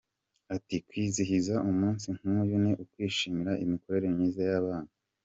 Ati “Kwizihiza umunsi nk’uyu ni ukwishimira imikorere myiza y’abana.